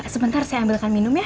sebentar saya ambilkan minum ya